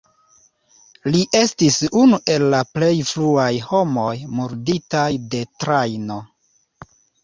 Li estis unu el la plej fruaj homoj murditaj de trajno.